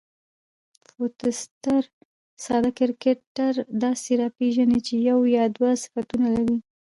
فوسټر ساده کرکټر داسي راپېژني، چي یو یا دوه صفتونه لري.